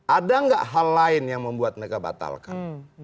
ada nggak hal lain yang membuat mereka batalkan